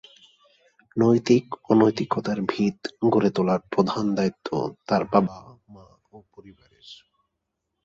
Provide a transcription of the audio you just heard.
নৈতিক অনৈতিকতার ভিত গড়ে তোলার প্রধান দায়িত্ব তার বাবা মা ও পরিবারের।